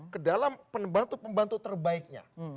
kedalam pembantu pembantu terbaiknya